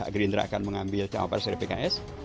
gerindra akan mengambil cawapres dari pks